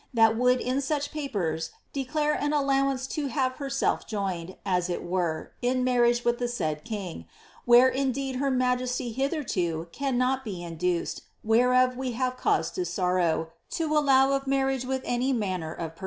that would in such papers declare an allowance to hare berf^lf joined, as it were, in marriage with the sai<l king, where indeed her majesty hitherto caniK)t be inducctl (whereof we have cause lo sorrow) to allow •if mariiagc with any manner of jjcrwij.""